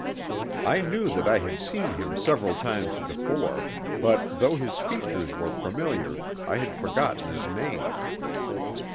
I knew that I had seen him several times before, but, though his features were familiar, I had forgotten his name.